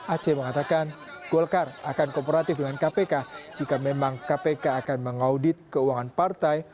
aceh mengatakan golkar akan kooperatif dengan kpk jika memang kpk akan mengaudit keuangan partai